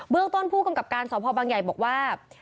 เรื่องต้นผู้กำกับการสพบังใหญ่บอกว่า